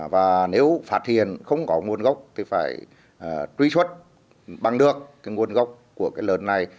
và nếu phạt hiền không có nguồn gốc thì phải truy xuất bằng được nguồn gốc của lợn này